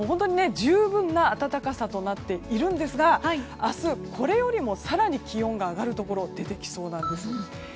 十分な暖かさとなっているんですが明日、これより更に気温が上がるところが出てきそうです。